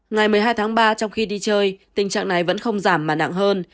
ngày một mươi hai tháng ba trong khi đi chơi tình trạng này vẫn không giảm mà nặng hơn